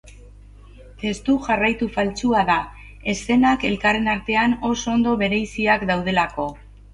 Testu jarraitu faltsua da, eszenak elkarren artean oso ondo bereiziak daudelako.